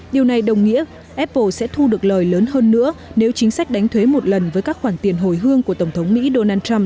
điều này đồng nghĩa apple sẽ thu được lời lớn hơn nữa nếu chính sách đánh thuế một lần với các khoản tiền hồi hương của tổng thống mỹ donald trump